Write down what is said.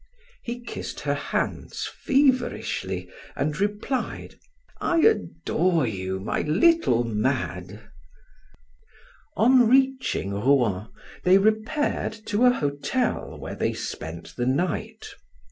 He kissed her hands feverishly and replied: "I adore you, my little Made." On reaching Rouen they repaired to a hotel where they spent the night.